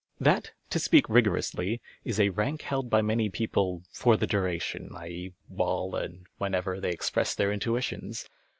That, to speak rigoronsly, is a rank held by many people " for the duration "— i.e., wjiile and whenever they express their intuitions.